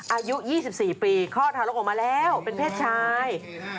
อายุ๒๔ปีคลอดทารกออกมาแล้วเป็นเพศชาย